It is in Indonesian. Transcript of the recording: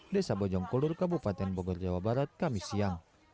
desa bojongkulur kabupaten bogor jawa barat kamis siang